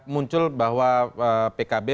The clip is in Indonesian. muncul bahwa pkb